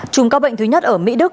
chùm ca bệnh thứ nhất ở mỹ đức